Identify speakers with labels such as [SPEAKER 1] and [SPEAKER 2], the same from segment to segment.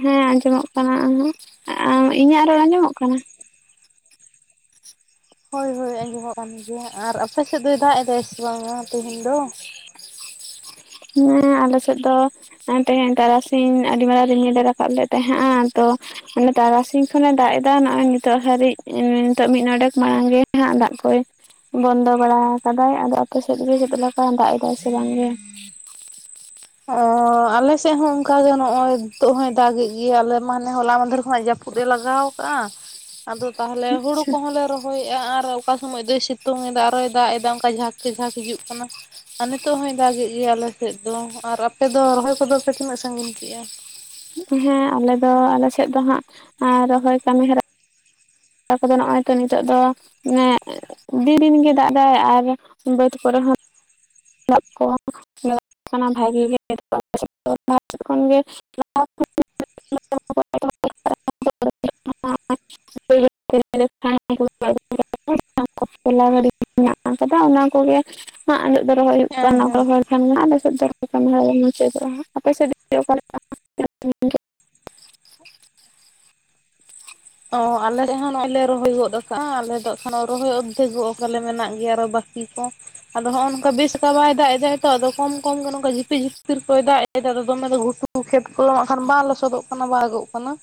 [SPEAKER 1] ᱦᱮᱸ ᱟᱸᱡᱚᱢᱚᱜ ᱠᱟᱱᱟ ᱤᱧᱟᱜ ᱨᱚᱲ ᱟᱸᱡᱚᱢᱚᱜ ᱠᱟᱱᱟ?
[SPEAKER 2] ᱦᱳᱭ ᱦᱳᱭ ᱟᱸᱡᱚᱢᱚᱜ ᱠᱟᱱ ᱜᱮᱭᱟ ᱟᱨ ᱟᱯᱮ ᱥᱮᱫ ᱫᱚᱭ ᱫᱟᱜ ᱮᱫ ᱥᱮ ᱵᱟᱝᱼᱟ ᱛᱮᱦᱤᱧ ᱫᱚ?
[SPEAKER 1] ᱦᱮᱸ ᱟᱞᱮ ᱥᱮᱫ ᱫᱚ ᱮᱱ ᱛᱟᱦᱮᱸ ᱛᱟᱨᱟᱥᱤᱧ ᱟᱰᱤ ᱢᱟᱨᱟᱝ ᱨᱩᱢᱤᱞᱮ ᱨᱟᱠᱟᱵ ᱞᱮᱫ ᱛᱟᱦᱮᱸᱜᱼᱟ ᱛᱚ ᱮᱱᱮ ᱛᱟᱨᱟᱥᱤᱧ ᱠᱷᱚᱱᱮ ᱫᱟᱜ ᱮᱫᱟ ᱱᱚᱜ ᱚᱭ ᱱᱤᱛᱚᱜ ᱦᱟᱹᱨᱤᱡ, ᱱᱤᱛᱚᱜ ᱢᱤᱫ ᱱᱚᱰᱮᱠ ᱠᱷᱚᱱᱟᱜ ᱟᱢᱜᱮ ᱦᱟᱜ ᱫᱟᱜ ᱠᱚᱭ ᱵᱚᱱᱫᱚ ᱵᱟᱲᱟ ᱟᱠᱟᱫᱟᱭ ᱟᱫᱚ ᱟᱯᱮ ᱥᱮᱫ ᱜᱮ ᱥᱮ ᱪᱮᱫᱮᱠᱟ ᱫᱟᱜ ᱮᱫᱟ ᱥᱮ ᱵᱟᱝ ᱜᱮ?
[SPEAKER 2] ᱚᱻ ᱟᱞᱮ ᱥᱮᱫ ᱦᱚᱸ ᱚᱱᱠᱟᱜ ᱜᱮ ᱱᱚᱜᱼ ᱚᱭ ᱱᱤᱛᱚᱜ ᱦᱚᱸᱭ ᱫᱟᱜ ᱮᱫ ᱜᱮᱭᱟᱭ ᱟᱞᱮ ᱢᱟᱱᱮ ᱦᱚᱞᱟ ᱢᱟᱦᱫᱮᱨ ᱠᱷᱚᱱ ᱡᱟᱹᱯ ᱯᱩᱫ ᱮ ᱞᱟᱜᱟᱣ ᱟᱠᱟᱟᱜᱼᱟ, ᱟᱫᱚ ᱛᱟᱦᱚᱞᱮ ᱦᱩᱲᱩ ᱠᱚᱦᱚᱸ ᱞᱮ ᱨᱚᱦᱚᱭᱮᱫᱼᱟ ᱟᱨ ᱚᱠᱟ ᱥᱚᱢᱚᱭ ᱫᱚᱭ ᱥᱤᱛᱩᱝ ᱮᱫᱟ ᱟᱨᱚᱭ ᱫᱟᱜ ᱮᱫᱟ ᱚᱱᱠᱟ ᱡᱷᱟᱠᱮ ᱡᱷᱟᱸᱠ ᱦᱤᱡᱩᱜ ᱠᱟᱱᱟ ᱾ ᱟᱨ ᱱᱤᱛᱚᱜ ᱦᱚᱭ ᱫᱟᱜᱼᱮᱫ ᱜᱮᱭᱟ ᱟᱞᱮ ᱥᱮᱫ ᱫᱚ ᱟᱨ ᱟᱯᱮ ᱫᱚ ᱨᱚᱦᱚᱭ ᱠᱚᱫᱚ ᱯᱮ ᱛᱤᱱᱟᱹᱜ ᱥᱟᱺᱜᱤᱧ ᱠᱮᱜᱼᱟ?
[SPEAKER 1] ᱦᱮᱸ ᱟᱞᱮ ᱫᱚ ᱟᱞᱮ ᱥᱮᱫ ᱫᱚ ᱦᱟᱸᱜ ᱨᱚᱦᱚᱭ ᱠᱟᱹᱢᱤᱦᱚᱨᱟ ᱠᱚᱫᱚ ᱱᱚᱜᱼᱚᱭ ᱛᱚ ᱱᱤᱛᱚᱜ ᱫᱚ ᱮᱸ ᱫᱤᱱ ᱨᱤ ᱜᱮ ᱫᱟᱜ ᱮᱟᱫᱟᱭ ᱟᱨ ᱵᱟᱹᱫᱽ ᱠᱚᱨᱮ ᱦᱚᱸ [inaudible] ᱠᱚ ᱠᱟᱱᱟ ᱵᱷᱟᱜᱤ ᱜᱮ ᱵᱷ ᱠᱷᱚᱱ ᱜᱮ [inaudible]
[SPEAKER 2] [unintelligible]
[SPEAKER 1] [inaudible] [inaudible] ᱢᱮᱱᱟᱜ ᱟᱠᱟᱫᱟ ᱚᱱᱟ ᱠᱚᱜᱮ ᱟᱞᱜ ᱫᱚ ᱨᱚᱦᱚᱭ ᱦᱩᱭᱩᱜ
[SPEAKER 2] ᱦᱮᱸ
[SPEAKER 1] ᱠᱟᱱᱟ ᱚᱱᱟ ᱠᱚ
[SPEAKER 2] ᱦᱮᱸ
[SPEAKER 1] ᱠᱦᱟᱱ ᱜᱮ ᱱᱦᱟᱜ ᱟᱞᱮ ᱥᱮᱫ ᱫᱚ ᱞᱮ ᱢᱩᱪᱟᱹᱫᱚᱜᱼᱟ ᱟᱯᱮ ᱥᱮᱫ ᱚᱠᱟᱮ [inaudible]
[SPEAKER 2] ᱛᱚ ᱟᱞᱮ ᱱᱚᱜᱼᱚᱭ ᱞᱮ ᱨᱚᱦᱚᱭ ᱜᱚᱫ ᱠᱟᱜᱼᱟ ᱟᱞᱮ ᱫᱚ ᱠᱷᱟᱱ ᱨᱚᱦᱚᱭ ᱚᱨᱫᱷᱮᱠ ᱚᱜᱠᱟᱞᱮ ᱢᱮᱱᱟᱜ ᱜᱮᱭᱟ ᱟᱨᱚ ᱵᱟᱠᱤ ᱠᱚ ᱾ ᱟᱫᱚ ᱱᱚᱸᱜᱼᱚᱭ ᱱᱚᱝ ᱠᱟ ᱵᱤᱥᱠᱟ ᱵᱟᱭ ᱫᱟᱜ ᱮᱫᱟ ᱛᱚ ᱟᱫᱚ ᱠᱚᱢ ᱠᱚᱢ ᱜᱮ ᱱᱚᱝᱠᱟ ᱡᱷᱤᱯᱤᱨ ᱡᱷᱤᱯᱤᱨ ᱠᱚᱭ ᱫᱟᱜ ᱮᱫ ᱱᱮᱛᱟᱨ ᱫᱚ ᱫᱚᱢᱮ ᱫᱚ ᱜᱷᱩᱴᱩ ᱠᱷᱮᱛ ᱠᱚ ᱟᱠᱷᱟᱱ ᱵᱟᱝ ᱞᱚᱥᱚᱫᱚᱜ ᱠᱟᱱᱟ ᱵᱟ ᱟᱜᱚᱜ ᱠᱟᱱᱟ ᱾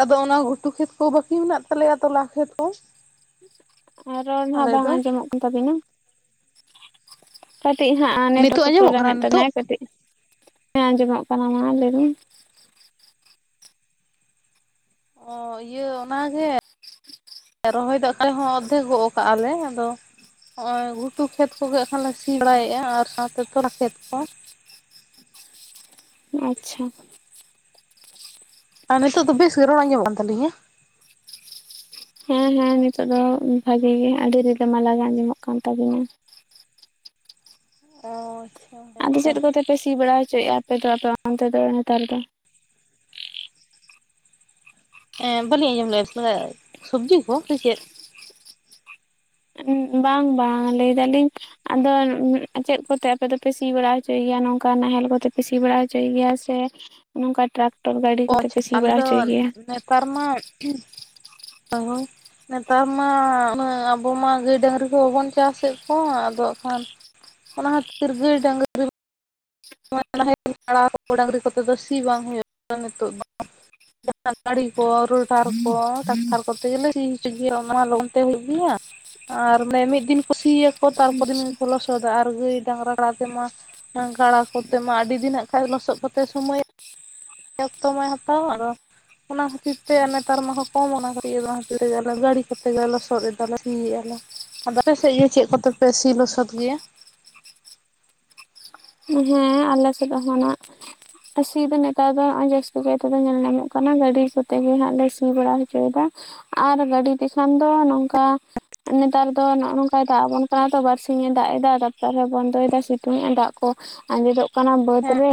[SPEAKER 2] ᱟᱫᱚ ᱚᱱᱟ ᱜᱷᱩᱴᱩ ᱠᱷᱮᱛ ᱠᱩ ᱵᱟᱠᱤᱱ ᱢᱮᱱᱟᱜ ᱛᱟᱞᱮᱭᱟ ᱛᱚᱞᱟ ᱠᱷᱮᱛ ᱠᱚ ᱾
[SPEAKER 1] ᱟᱨ ᱨᱚᱲᱦᱟᱜ ᱵᱟᱝ ᱟᱸᱡᱚᱢᱚᱜ ᱠᱟᱱ ᱛᱟᱵᱤᱱᱟ ᱠᱟᱴᱤᱡ ᱦᱟᱸᱜ ᱟᱨ
[SPEAKER 2] ᱱᱤᱛᱚᱜ
[SPEAKER 1] ᱱᱮᱴᱣᱟᱨᱠ ᱠᱚ
[SPEAKER 2] ᱟᱸᱡᱚᱢᱚᱜ ᱠᱟᱱᱟ
[SPEAKER 1] ᱯᱨᱳᱚᱵᱞᱮᱢᱮᱫ
[SPEAKER 2] ᱱᱤᱛᱚᱜ
[SPEAKER 1] ᱛᱟᱦᱮᱭᱟᱭ ᱠᱟᱹᱴᱤᱡ ᱦᱮ ᱟᱸᱡᱚᱢᱚᱜ ᱠᱟᱱᱟ ᱢᱟ ᱞᱟᱹᱭ ᱵᱮᱱ ᱾
[SPEAKER 2] ᱚ ᱤᱭᱟᱹ ᱚᱱᱟ ᱜᱮ ᱨᱚᱦᱚᱭ ᱫᱚ ᱚᱠᱟ ᱦᱚᱸ ᱚᱫᱷᱮᱠ ᱜᱚᱜ ᱠᱟᱜᱼᱟᱞᱮ ᱟᱫᱚ ᱱᱚᱜ ᱚᱭ ᱜᱷᱩᱴᱩ ᱠᱷᱮᱛ ᱠᱚᱜᱮ ᱟᱠᱷᱟᱱ ᱞᱮ ᱥᱤ ᱵᱟᱲᱟᱭᱮᱫᱼᱟ ᱟᱨ ᱥᱟᱶᱛᱮ ᱛᱚᱨᱟ ᱠᱷᱮᱛ ᱠᱚ ᱾
[SPEAKER 1] ᱟᱪᱪᱷᱟ ᱾
[SPEAKER 2] ᱟᱨ ᱱᱤᱛᱚᱜ ᱫᱚ ᱵᱮᱥ ᱜᱮ ᱨᱚᱲᱟ ᱟᱸᱢᱚᱜ ᱠᱟᱱ ᱛᱟᱞᱤᱧᱟ?
[SPEAKER 1] ᱦᱮᱸ ᱦᱮᱸ ᱱᱤᱛᱚᱜ ᱫᱚ ᱵᱷᱟᱜᱤ ᱜᱮ ᱟᱰᱤ ᱨᱤᱞᱟᱹᱢᱟᱞᱟ ᱜᱮ ᱟᱸᱡᱚᱢᱚᱜ ᱠᱟᱱ ᱛᱟᱵᱤᱱᱟ ᱾
[SPEAKER 2] ᱚ,
[SPEAKER 1] ᱟᱫᱚ
[SPEAKER 2] ᱦᱮᱸᱛᱚ
[SPEAKER 1] ᱪᱮᱫ ᱠᱚᱛᱮ ᱯᱮ ᱥᱤ ᱵᱟᱲᱟ ᱦᱚᱪᱚᱭᱮᱫᱼᱟ ᱟᱯᱮ ᱫᱚ ᱟᱯᱮ ᱚᱱᱛᱮ ᱫᱚ ᱱᱮᱛᱟᱨ ᱫᱚ ᱾
[SPEAKER 2] ᱦᱮᱸ ᱵᱟᱹᱞᱤᱧ ᱟᱸᱡᱚᱢ ᱞᱮᱜ-ᱟ ᱥᱮ ᱥᱚᱵᱡᱤ ᱠᱚ ᱥᱮ ᱪᱮᱫ?
[SPEAKER 1] ᱵᱟᱝ ᱵᱟᱝ ᱞᱟᱹᱭ ᱫᱟᱞᱤᱧ ᱼᱼ ᱟᱫᱚ ᱩᱸ ᱪᱮᱫ ᱠᱚᱛᱮ ᱟᱯᱮ ᱫᱚᱯᱮ ᱥᱤ ᱵᱟᱲᱟ ᱦᱚᱪᱚᱭ ᱜᱮᱭᱟ ᱱᱚᱝᱠᱟ ᱱᱟᱦᱮᱞ ᱠᱚᱛᱮᱯᱮ ᱥᱤ ᱵᱟᱲᱟ ᱦᱚᱪᱚᱭ ᱜᱮᱭᱟ ᱥᱮ ᱼᱼ ᱱᱚᱝᱠᱟ ᱴᱨᱟᱠᱴᱚᱨ ᱜᱟᱰᱤ
[SPEAKER 2] ᱚ
[SPEAKER 1] ᱠᱚᱛᱮ
[SPEAKER 2] ᱟᱪᱪᱷᱟ
[SPEAKER 1] ᱯᱮ ᱥᱤ
[SPEAKER 2] ᱟᱪᱪᱷᱟ ᱟᱞᱮ
[SPEAKER 1] ᱵᱟᱲᱟ
[SPEAKER 2] ᱫᱚ
[SPEAKER 1] ᱦᱚᱪᱚᱭ ᱜᱮᱭᱟ?
[SPEAKER 2] ᱱᱮᱛᱟᱨ ᱢᱟ ᱟᱵᱚ ᱱᱮᱛᱟᱨ ᱢᱟ ᱩᱱᱟᱹᱜ ᱟᱵᱚ ᱢᱟ ᱜᱟᱹᱭ ᱰᱟᱝᱨᱤ ᱠᱚ ᱵᱟᱵᱚᱱ ᱪᱟᱥᱮᱫ ᱠᱚᱣᱟ ᱟᱫᱚ ᱠᱷᱟᱱ ᱼᱼ ᱚᱱᱟ ᱠᱷᱟᱛᱤᱨ ᱜᱟᱹᱭ ᱰᱟᱝᱨᱤ ᱼᱼ [inaudible] ᱰᱟᱝᱨᱤ ᱠᱚᱛᱮ ᱫᱚ ᱥᱤ ᱵᱟᱝ ᱦᱳᱭᱳᱜ ᱠᱟᱱᱟ ᱱᱤᱛᱚᱜ ᱫᱚ ᱾ [inaudible] ᱜᱟᱰᱤ ᱠᱚ ᱨᱳᱴᱟᱨ ᱠᱚ ᱴᱟᱠᱴᱟᱨ ᱠᱚᱛᱮ ᱜᱮᱞᱮ ᱥᱤ ᱦᱚᱪᱚᱭ ᱜᱮᱭᱟ ᱚᱱᱟᱡᱟ ᱞᱚᱜᱚᱱ ᱛᱮ ᱦᱩᱭᱩᱜ ᱜᱮᱭᱟ ᱾ ᱟᱨ ᱚᱱᱮ ᱢᱤᱫ ᱫᱤᱱ ᱠᱚ ᱥᱤᱭᱟ ᱠᱚ ᱛᱟᱨᱯᱚᱨ ᱫᱤᱱ ᱠᱚ ᱞᱚᱥᱚᱫᱟ ᱟᱨ ᱜᱟᱹᱭ ᱰᱟᱝᱨᱟ ᱠᱟᱲᱟ ᱟᱛᱮᱜᱢᱟ ᱼᱼ ᱜᱟᱲᱟ ᱠᱚᱛᱮ ᱢᱟ ᱟᱰᱤ ᱫᱤᱱ ᱱᱟᱜ ᱠᱷᱟᱡ ᱞᱚᱥᱚᱫ ᱠᱚᱛᱮ ᱥᱳᱢᱳᱭᱮ ᱼᱼ ᱚᱠᱛᱚ ᱢᱟᱭ ᱦᱟᱛᱟᱣᱟ ᱟᱫᱚ᱾ ᱚᱱᱟ ᱠᱷᱟᱛᱤᱨ ᱛᱮ ᱱᱮᱛᱟᱨ ᱢᱟᱠᱚ ᱠᱚᱢ ᱠᱟᱱᱟ ᱚᱱᱟ ᱠᱷᱟᱛᱤᱨ ᱛᱮᱜᱮ ᱜᱟᱲᱤ ᱠᱚᱛᱮ ᱜᱮᱞᱮ ᱞᱚᱥᱚᱫ ᱮᱫᱟᱞᱮ ᱥᱤᱜ ᱟᱞᱮ᱾ ᱟᱫᱚ ᱟᱯᱮ ᱥᱮᱜ ᱜᱮ ᱪᱮᱜ ᱠᱚᱛᱮ ᱯᱮ ᱥᱤ ᱞᱚᱥᱚᱫ ᱜᱮᱭᱟ?
[SPEAKER 1] ᱦᱮᱸ ᱟᱞᱮ ᱥᱮᱫ ᱦᱚᱸ ᱱᱟᱜ᱾ ᱥᱤ ᱫᱚ ᱱᱮᱛᱟᱨ ᱫᱚ ᱱᱚᱜ ᱡᱟᱹᱥᱛᱤ ᱠᱟᱭ ᱫᱚ ᱧᱮᱞ ᱧᱟᱢᱚᱜ ᱠᱟᱱᱟ ᱜᱟᱹᱰᱤ ᱠᱚᱛᱮ ᱜᱮ ᱦᱟᱸᱜ ᱞᱮ ᱥᱤ ᱵᱟᱲᱟ ᱦᱚᱪᱚᱭᱮᱫᱟ᱾ ᱟᱨ ᱜᱟᱰᱤ ᱛᱮᱠᱷᱟᱱ ᱫᱚ ᱱᱚᱝᱠᱟ᱾ ᱱᱮᱛᱟᱨ ᱫᱚ ᱱᱚᱜᱼᱚ ᱱᱚᱝᱠᱟᱭ ᱫᱟᱜ ᱟᱵᱚᱱ ᱠᱟᱱᱟ ᱛᱚ ᱵᱟᱨᱥᱤᱧ ᱮ ᱫᱟᱜ ᱮᱫᱟ ᱛᱟᱨᱯᱚᱨᱮ ᱟᱨ ᱦᱚᱸᱭ ᱵᱚᱱᱫᱚᱭ ᱫᱟ ᱥᱤᱛᱩᱝ ᱮ ᱟᱭ ᱫᱟᱜ ᱼᱼ ᱠᱚ ᱟᱸᱡᱮᱫᱚᱜ ᱠᱟᱱᱟ ᱵᱟᱹᱫᱽ
[SPEAKER 2] ᱦᱮᱸ
[SPEAKER 1] ᱨᱮ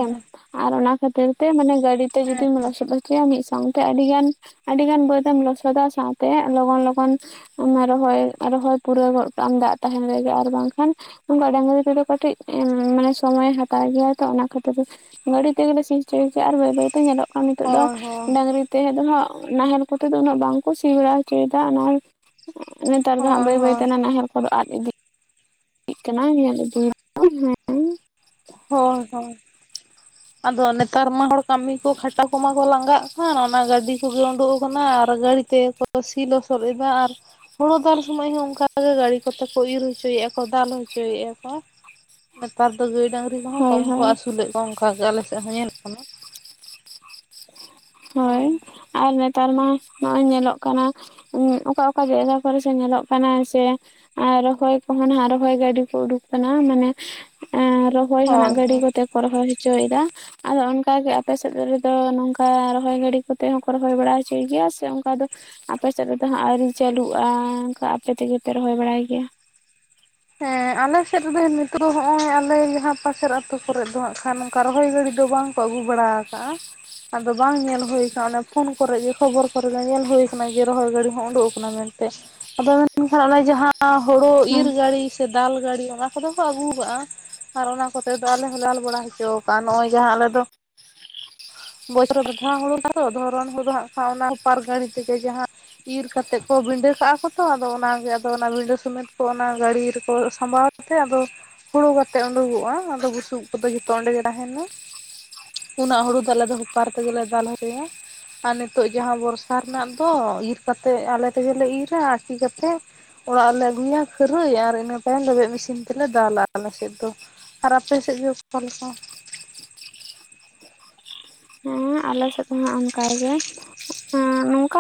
[SPEAKER 1] ᱟᱨ ᱚᱱᱟ ᱠᱷᱟᱛᱤᱨ ᱛᱮ ᱢᱟᱱᱮ ᱜᱟᱰᱤ ᱛᱮ ᱡᱩᱫᱤᱢ ᱞᱚᱥᱚᱫ ᱼᱼ ᱦᱚᱪᱚᱭᱟ ᱢᱤᱫ ᱥᱟᱶᱛᱮ ᱟᱰᱤᱟᱱ ᱟᱰᱤᱜᱟᱱ ᱵᱟᱹᱫᱽ ᱮᱢ ᱞᱚᱥᱚᱫᱟ ᱥᱟᱶᱛᱮ ᱞᱚᱜᱚᱱ ᱞᱚᱜᱚᱱ ᱼᱼ ᱚᱱᱟ ᱨᱚᱦᱚᱭ ᱨᱚᱦᱚᱭ ᱯᱩᱨᱟᱹᱣ ᱜᱚᱫ ᱠᱟᱜ ᱟᱢ ᱫᱟᱜ ᱛᱟᱦᱮᱱ ᱨᱮᱜᱮ ᱟᱨ ᱵᱟᱝᱠᱷᱟᱱ ᱼᱼ ᱚᱱᱠᱟ ᱵᱟᱝᱨᱤ ᱛᱮ ᱫᱚ ᱠᱟᱴᱤᱡ ᱩᱸ ᱢᱟᱱᱮ ᱼᱼ ᱥᱚᱢᱚᱭᱮ ᱦᱟᱛᱟᱣ ᱜᱮᱭᱟ ᱛᱚ ᱚᱱᱟ ᱠᱷᱟᱛᱤᱨ ᱜᱟᱰᱤ ᱛᱮᱜᱮ ᱞᱮ ᱥᱤ ᱦᱚᱪᱚᱭ ᱜᱮᱭᱟ ᱟᱨ ᱵᱟᱹᱭ ᱵᱟᱹᱭ ᱛᱮ ᱧᱮᱞᱚᱜ ᱼᱼ ᱟᱨ ᱱᱤᱛᱚᱜ ᱫᱚ
[SPEAKER 2] ᱦᱳᱭ ᱦᱳᱭ
[SPEAKER 1] ᱰᱟᱝᱨᱤ ᱛᱮ ᱫᱚ ᱦᱟᱸᱜ ᱱᱟᱦᱮᱞ ᱠᱚᱛᱮ ᱫᱚ ᱩᱱᱟᱹᱜ ᱵᱟᱝᱠᱚ ᱥᱤ ᱵᱟᱲᱟ ᱦᱚᱪᱚᱭᱮᱫᱟ ᱚᱱᱟ ᱼᱼ ᱱᱮᱛᱟᱨ ᱫᱚ ᱦᱟᱸᱜ
[SPEAKER 2] ᱦᱳᱭ
[SPEAKER 1] ᱵᱟᱹᱭ ᱵᱟᱹᱭ ᱛᱮ
[SPEAKER 2] ᱦᱳᱭ
[SPEAKER 1] ᱚᱱᱟ ᱱᱟᱦᱮᱞ ᱠᱚ ᱫᱚ ᱟᱫ ᱤᱫᱤᱜ ᱠᱟᱱᱟ ᱧᱮᱞᱤᱫ ᱼᱼ
[SPEAKER 2] ᱦᱳᱭ ᱦᱳᱭ᱾ ᱟᱫᱚ ᱱᱮᱛᱟᱨ ᱢᱟ ᱦᱚᱲ ᱠᱟᱢᱤ ᱠᱚ ᱠᱷᱟᱴᱟ ᱠᱚᱢᱟ ᱠᱚ ᱞᱟᱸᱜᱟᱜ ᱠᱟᱱ ᱚᱱᱟ ᱜᱟᱰᱤ ᱠᱚᱜᱮ ᱳᱸᱰᱳᱜ ᱠᱟᱱᱟ ᱟᱨ ᱜᱟᱲᱤ ᱛᱮᱜᱮ ᱠᱚ ᱼᱼ ᱥᱤ ᱞᱚᱥᱚᱫ ᱮᱫᱟ ᱟᱨ ᱼᱼ ᱦᱳᱲᱳ ᱫᱟᱞ ᱥᱚᱢᱚᱭ ᱦᱚᱸ ᱚᱝᱠᱟᱜ ᱜᱮ ᱜᱟᱲᱤ ᱠᱚᱛᱮ ᱠᱚ ᱤᱨ ᱦᱚᱪᱚᱭᱮᱫᱼᱟ ᱠᱚ ᱫᱟᱞ ᱦᱚᱪᱚᱭᱮᱫᱼᱟ ᱠᱚ᱾ ᱱᱮᱛᱟᱨ ᱫᱚ ᱜᱟᱹᱭ ᱰᱟᱝᱨᱤ ᱠᱚᱦᱚᱸ
[SPEAKER 1] ᱦᱳᱭ
[SPEAKER 2] ᱠᱚᱢ ᱠᱚ
[SPEAKER 1] ᱦᱳᱭ
[SPEAKER 2] ᱟᱥᱩ ᱟᱥᱩᱞᱮᱜ ᱠᱚᱣᱟ ᱚᱝᱠᱟᱜ ᱜᱮ ᱟᱞᱮ ᱥᱮᱫ ᱦᱚᱸ ᱧᱮᱞ ᱠᱟᱱᱟ᱾
[SPEAKER 1] ᱦᱚᱭ
[SPEAKER 2] ᱦᱚᱸ
[SPEAKER 1] ᱟᱨ ᱱᱮᱛᱟᱨ ᱢᱟ ᱱᱚᱜᱼᱚᱭ ᱧᱮᱞᱚᱜ ᱠᱟᱱᱟ ᱼᱼ ᱚᱠᱟ ᱚᱠᱟ ᱡᱟᱭᱜᱟ ᱠᱚᱨᱮ ᱥᱮ ᱧᱮᱞᱚᱜ ᱠᱟᱱᱟ ᱥᱮ, ᱟᱨ ᱨᱚᱦᱚᱭ ᱠᱚᱦᱚᱸ ᱱᱷᱟᱜ ᱨᱚᱦᱚᱭ ᱜᱟᱰᱤ ᱠᱚ ᱩᱰᱩᱠ ᱠᱟᱱᱟ ᱢᱟᱱᱮ ᱼᱼ ᱮᱸ ᱨᱚᱦᱚᱭ
[SPEAKER 2] ᱦᱳᱭ
[SPEAKER 1] ᱦᱚᱱᱟᱜ ᱜᱟᱰᱤ
[SPEAKER 2] ᱦᱳᱭ
[SPEAKER 1] ᱠᱚᱛᱮ ᱠᱚ ᱨᱚᱦᱚᱭ ᱦᱚᱪᱚᱭᱮᱫᱟ ᱟᱫᱚ ᱚᱱᱠᱟ ᱜᱮ ᱟᱯᱮ ᱥᱮᱫ ᱨᱮᱫᱚ ᱱᱚᱝᱠᱟ ᱨᱚ ᱼᱼ ᱨᱚᱦᱚᱭ ᱜᱟᱰᱤ ᱠᱚ ᱛᱮ ᱦᱚᱸᱠᱚ ᱨᱚᱦᱚᱭ ᱵᱟᱲᱟ ᱦᱚᱪᱚᱭ ᱜᱮᱭᱟ ᱥᱮ ᱚᱱᱠᱟ ᱫᱚ ᱼᱼ ᱟᱯᱮ ᱥᱮᱫ ᱨᱮᱫᱚ ᱦᱟᱸᱜ ᱟᱣᱨᱤ ᱪᱟᱞᱩᱜᱼᱟ ᱚᱱᱠᱟ ᱟᱯᱮ ᱛᱮᱜᱮ ᱯᱮ ᱨᱚᱦᱚᱭ ᱵᱟᱲᱟᱭ ᱜᱮᱭᱟ?
[SPEAKER 2] ᱦᱮᱸ ᱟᱞᱮ ᱥᱮᱫ ᱨᱮ ᱫᱚ ᱱᱤᱛᱚᱜ ᱫᱚ ᱦᱚᱸᱜᱼᱚᱭ ᱟᱞᱮ ᱡᱟᱦᱟᱸ ᱯᱟᱥᱮᱨ ᱟᱛᱩ ᱠᱚᱨᱮᱫ ᱫᱚ ᱦᱟᱸᱜ ᱠᱷᱟᱱ ᱱᱚᱝᱠᱟ ᱨᱚᱦᱚᱭ ᱜᱟᱲᱤ ᱫᱚ ᱵᱟᱝ ᱼᱼ ᱠᱚ ᱟᱹᱜᱩ ᱵᱟᱲᱟ ᱠᱟᱜᱼᱟ᱾ ᱟᱫᱚ ᱵᱟᱝ ᱧᱮᱞ ᱦᱳᱭ ᱠᱟᱱᱟ ᱚᱱᱮ ᱯᱷᱳᱱ ᱠᱚᱨᱮ ᱜᱮ ᱠᱷᱚᱵᱚᱨ ᱠᱚᱨᱮ ᱜᱮ ᱧᱮᱞ ᱦᱳᱭ ᱠᱟᱱᱟ ᱡᱮ ᱨᱚᱦᱚᱭ ᱜᱟᱰᱤ ᱦᱚᱸ ᱳᱸᱰᱳᱜ ᱠᱟᱱᱟ ᱢᱮᱱᱛᱮ᱾ ᱟᱫᱚ ᱢᱮᱱᱠᱷᱟᱱ ᱚᱱᱮ ᱡᱟᱦᱟᱸ ᱦᱳᱲᱳ
[SPEAKER 1] ᱦᱮᱸ
[SPEAKER 2] ᱤᱨ ᱜᱟᱲᱤ ᱥᱮ ᱫᱟᱞ ᱜᱟᱲᱤ ᱚᱱᱟ ᱠᱚᱫᱚ ᱠᱚ ᱟᱜᱩ ᱠᱟᱜᱼᱟ᱾ ᱟᱨ ᱚᱱᱟ ᱠᱚᱛᱮ ᱫᱚ ᱟᱞᱮ ᱦᱚᱸᱞᱮ ᱫᱟᱞ ᱵᱟᱲᱟ ᱦᱚᱪᱚ ᱠᱟᱜᱼᱟ ᱱᱚᱜᱼᱚᱭ ᱡᱟᱦᱟᱸ ᱟᱞᱮ ᱫᱚ ᱼᱼ ᱵᱚᱪᱷᱚᱨ ᱨᱮ ᱡᱟᱦ [unintelligible] ᱟᱸᱷᱟᱣ ᱦᱩᱲᱩ ᱛᱚ ᱫᱷᱚᱨᱚᱱ ᱦᱩᱲᱩ ᱫᱚ ᱦᱟᱸᱜ ᱠᱷᱟᱱ ᱚᱱᱟ ᱩᱯᱟᱨ ᱜᱟᱹᱲᱤ ᱛᱮᱜᱮ ᱡᱟᱦᱟᱸᱼᱼ ᱤᱨ ᱠᱟᱛᱮᱜ ᱠᱚ ᱵᱤᱸᱰᱟᱹ ᱠᱟᱜᱼᱟ ᱠᱚ ᱛᱚ ᱟᱫᱚ ᱚᱱᱟᱜᱮ ᱚᱱᱟ ᱵᱤᱸᱰᱟᱹ ᱥᱚᱢᱮᱛ ᱚᱱᱟ ᱜᱟᱹᱰᱤ ᱨᱮᱠᱚ ᱥᱟᱢᱵᱟᱣᱼᱟᱼᱼ ᱛᱮ ᱟᱫᱚ ᱦᱩᱲᱩ ᱠᱟᱛᱮ ᱩᱰᱩᱠᱚᱜᱼᱟ ᱟᱫᱚ ᱵᱩᱥᱩᱵ ᱠᱚᱫᱚ ᱡᱷᱚᱛᱚ ᱚᱸᱰᱮ ᱜᱮ ᱛᱟᱦᱮᱱᱟ ᱾ ᱚᱱᱟ ᱦᱩᱲᱩ ᱫᱚ ᱟᱞᱮ ᱦᱚᱯᱟᱨ ᱛᱮᱜᱮ ᱞᱮ ᱫᱟᱞ ᱦᱚᱪᱚᱭᱟ ᱾ ᱟᱨ ᱱᱤᱛᱚᱜ ᱡᱟᱦᱟᱸ ᱵᱚᱨᱥᱟ ᱨᱮᱱᱟᱜ ᱫᱚ ᱤᱨ ᱠᱟᱛᱮᱜ ᱟᱹᱞᱮ ᱛᱮᱜᱮ ᱞᱮ ᱤᱨᱟ ᱟᱹᱴᱤ ᱠᱟᱛᱮᱜᱼᱼ ᱚᱲᱟᱜ ᱨᱮᱞᱮ ᱟᱹᱜᱩᱭᱟ ᱠᱷᱟᱹᱨᱟᱹᱭ ᱟᱨ ᱤᱱᱟᱹ ᱛᱟᱭᱚᱢ ᱞᱮᱵᱮᱫᱽ ᱢᱮᱥᱤᱱ ᱛᱮᱞᱮ ᱫᱟᱞᱟ ᱟᱞᱮ ᱥᱮᱫ ᱫᱚ᱾ ᱟᱨ ᱟᱯᱮ ᱥᱮᱫ ᱜᱮ ᱚᱠᱟ ᱞᱮᱠᱟ? [inaudible]
[SPEAKER 1] ᱦᱮᱸ ᱟᱞᱮ ᱥᱮᱫ ᱦᱚᱸ ᱚᱱᱠᱟᱜᱮ ᱮᱹᱻ ᱱᱚᱠᱟᱼᱼ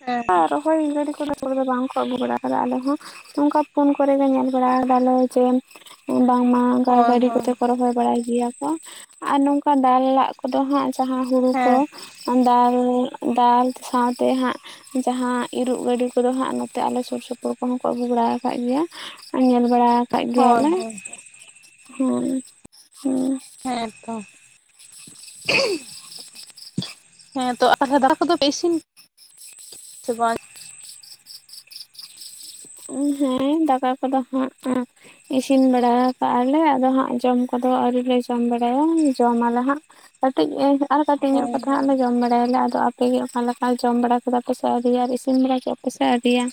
[SPEAKER 2] ᱦᱮᱸ
[SPEAKER 1] ᱟᱨ
[SPEAKER 2] ᱦᱮᱸ
[SPEAKER 1] ᱨᱚᱦᱚᱭ ᱜᱟᱹᱲᱤ ᱠᱚᱫᱚ ᱠᱚ ᱫᱚ ᱵᱟᱹᱫ ᱨᱮ ᱵᱟᱝᱠᱚ ᱟᱹᱜᱩ ᱵᱟᱲᱟ ᱟᱠᱟᱫᱟ ᱟᱞᱮ ᱦᱚᱸᱼᱼ ᱚᱱᱠᱟ ᱯᱷᱳᱱ ᱠᱚᱨᱮᱜᱮ ᱧᱮᱞ ᱵᱟᱲᱟ ᱟᱠᱟ ᱫᱟᱞᱮ ᱡᱮᱼᱼ ᱵᱟᱝᱢᱟ ᱚᱱᱠᱟ
[SPEAKER 2] ᱦᱳᱭ
[SPEAKER 1] ᱜᱟᱹᱰᱤ
[SPEAKER 2] ᱦᱳᱭ
[SPEAKER 1] ᱠᱚᱛᱮ ᱠᱚ ᱨᱚᱦᱚᱭ ᱵᱟᱲᱟᱭ ᱜᱮᱭᱟ ᱠᱚ, ᱟᱨ ᱱᱚᱝᱠᱟ ᱫᱟᱞᱟᱜ ᱟᱫᱚ ᱦᱟᱸᱜ ᱡᱟᱦᱟᱸ ᱦᱩᱲᱩ ᱠᱚ
[SPEAKER 2] ᱦᱮᱸ
[SPEAKER 1] ᱫᱟᱞ, ᱫᱟᱞ ᱥᱟᱶᱛᱮ ᱦᱟᱸᱜ ᱡᱟᱦᱟᱸ ᱤᱨᱚᱜ ᱜᱟᱹᱰᱤ ᱠᱚᱫᱚ ᱦᱟᱸᱜ ᱱᱚᱛᱮ ᱟᱞᱮ ᱥᱩᱨ ᱥᱩᱯᱩᱨ ᱠᱚᱦᱚᱸ ᱠᱚ ᱟᱹᱜᱩ ᱵᱟᱲᱟ ᱟᱠᱟᱫ ᱜᱮᱭᱟ ᱾ ᱧᱮᱞ ᱵᱟᱲᱟ ᱟᱠᱟᱫ
[SPEAKER 2] ᱦᱳᱭ
[SPEAKER 1] ᱜᱮᱭᱟᱞᱮ
[SPEAKER 2] ᱦᱳᱭ
[SPEAKER 1] ᱦᱮᱸ ᱦᱩᱸ ᱾
[SPEAKER 2] ᱦᱮᱸᱛᱚ ᱾ [unintelligible] ᱦᱮᱸ ᱛᱚ ᱛᱟᱦᱞᱮ ᱫᱟᱠᱟ ᱠᱚᱫᱚ ᱯᱮ ᱤᱥᱤᱱ ᱠᱮᱫᱟ ᱥᱮ ᱵᱟᱝ?
[SPEAKER 1] ᱦᱮᱸ ᱫᱟᱠᱟ ᱠᱚᱫᱚ ᱦᱟᱸᱜ ᱤᱥᱤᱱ ᱵᱟᱲᱟ ᱠᱟᱜᱼᱟ ᱞᱮ, ᱟᱫᱚ ᱦᱟᱸᱜ ᱡᱚᱢ ᱠᱚᱫᱚ ᱟᱹᱣᱨᱤ ᱞᱮ ᱡᱚᱢ ᱵᱟᱲᱟᱭᱟ ᱡᱚᱢ ᱟᱞᱮ ᱦᱟᱸᱜ ᱾ ᱠᱟᱹᱴᱤᱡ ᱟᱨ ᱠᱟᱹᱴᱤᱡ
[SPEAKER 2] ᱦᱳᱭ
[SPEAKER 1] ᱧᱚᱜ ᱠᱟᱛᱮᱜ ᱞᱮ ᱦᱟᱸᱜ
[SPEAKER 2] ᱦᱳᱭ
[SPEAKER 1] ᱞᱮ ᱡᱚᱢ ᱵᱟᱲᱟᱭᱟᱞᱮ, ᱟᱫᱚ ᱟᱯᱮᱜᱮ ᱚᱠᱟ ᱞᱮᱠᱟ ᱡᱚᱢ ᱵᱟᱲᱟ ᱠᱮᱫᱟ ᱯᱮ ᱥᱮ ᱟᱹᱣᱨᱤᱭᱟ ᱟᱨ ᱤᱥᱤᱱ ᱵᱟᱲᱟ ᱠᱮᱫᱟ ᱯᱮ ᱥᱮ ᱟᱹᱣᱨᱤᱭᱟ?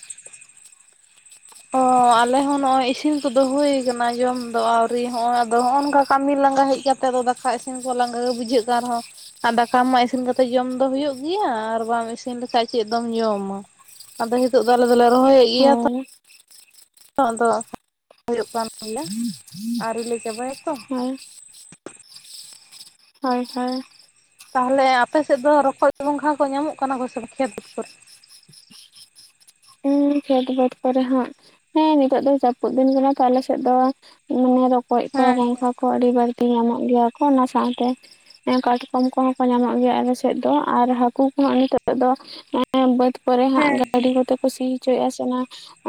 [SPEAKER 2] ᱚᱸ ᱟᱞᱮ ᱦᱚᱸ ᱱᱚᱜᱼᱚᱭ ᱤᱥᱤᱱ ᱠᱚᱫᱚ ᱦᱩᱭ ᱠᱟᱱᱟ ᱡᱚᱢ ᱫᱚ ᱟᱹᱣᱨᱤ, ᱦᱚᱸᱜᱼᱚᱭ ᱟᱫᱚ ᱦᱚᱸᱜᱼᱚ ᱱᱚᱝᱠᱟ ᱠᱟᱹᱢᱤ ᱞᱟᱸᱜᱟ ᱦᱮᱡ ᱠᱟᱛᱮᱫ ᱫᱚ ᱫᱟᱠᱟ ᱤᱥᱤᱱ ᱠᱚ ᱞᱟᱸᱜᱟ ᱜᱮ ᱵᱩᱡᱷᱟᱹᱜ ᱠᱟᱱ ᱨᱮᱦᱚᱸ ᱟᱨ ᱫᱟᱠᱟ ᱢᱟ ᱤᱥᱤᱱ ᱠᱟᱛᱮ ᱡᱚᱢ ᱫᱚ ᱦᱳᱭᱳᱜ ᱜᱮᱭᱟ, ᱟᱨ ᱵᱟᱢ ᱤᱥᱤᱱ ᱞᱮᱠᱷᱟᱡ ᱪᱮᱫ ᱫᱚᱢ ᱡᱚᱢᱟ? ᱟᱫᱚ ᱦᱤᱛᱚᱜ ᱫᱚ ᱟᱞᱮ ᱫᱚᱞᱮ ᱨᱚᱦᱚᱭᱮᱫ ᱜᱮᱭᱟ ᱛᱚ ᱾
[SPEAKER 1] ᱩᱸᱦ
[SPEAKER 2] ᱱᱤᱛᱚᱜ ᱫᱚ ᱦᱩᱭᱩᱜ ᱠᱟᱱ ᱜᱮᱭᱟ ᱟᱹᱣᱨᱤ ᱞᱮ ᱪᱟᱵᱟᱭᱟ ᱛᱚ ᱾
[SPEAKER 1] ᱦᱳᱭ ᱦᱳᱭ ᱦᱳᱭ ᱾
[SPEAKER 2] ᱛᱟᱦᱚᱞᱮ ᱟᱯᱮ ᱥᱮᱫ ᱫᱚ ᱨᱚᱠᱚᱡᱸ ᱜᱚᱝᱜᱷᱟ ᱠᱚ ᱧᱟᱢᱚᱜ ᱠᱟᱱᱟ ᱠᱚᱥᱮ ᱵᱟᱝ ᱠᱷᱮᱛ ᱠᱚᱨᱮ?
[SPEAKER 1] ᱩᱸ ᱠᱷᱮᱛ ᱵᱟᱹᱫᱽ ᱠᱚᱨᱮ ᱦᱟᱸᱜ ᱦᱮᱸ ᱱᱤᱛᱚᱜ ᱫᱚ ᱡᱟᱹᱯᱩᱫ ᱫᱤᱱ ᱠᱟᱱᱟ ᱛᱚ ᱟᱯᱮ ᱥᱮᱫ ᱫᱚ ᱢᱟᱱᱮ ᱨᱚᱠᱚᱡ ᱠᱚ,
[SPEAKER 2] ᱦᱮᱸ
[SPEAKER 1] ᱜᱚᱝᱜᱷᱟ ᱠᱚ ᱠᱚ ᱟᱹᱰᱤ ᱵᱟᱹᱲᱛᱤ ᱧᱟᱢᱚᱜ ᱜᱮᱭᱟ ᱠᱚ, ᱛᱚ ᱚᱱᱟ ᱥᱟᱶᱛᱮ ᱮᱸ ᱠᱟᱴᱠᱚᱢ ᱠᱚᱦᱚᱸ ᱠᱚ ᱧᱟᱢᱚᱜ ᱜᱮᱭᱟ ᱟᱞᱮ ᱥᱮᱫ ᱫᱚ ᱟᱨ ᱦᱟᱹᱠᱩ ᱠᱚ ᱦᱟᱸᱜ ᱱᱤᱛᱚᱜ ᱫᱚ ᱵᱟᱹᱫᱽ ᱠᱚᱨᱮ ᱦᱟᱸᱜ
[SPEAKER 2] ᱦᱮᱸ
[SPEAKER 1] ᱜᱟᱹᱰᱤ ᱠᱚᱛᱮ ᱠᱚ ᱥᱤ ᱦᱚᱪᱚᱭᱮᱫᱼᱟ ᱥᱮ ᱚᱱᱟ